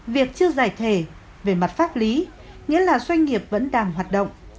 việc chưa giải thể về mặt pháp lý nghĩa là doanh nghiệp vẫn đang hoạt động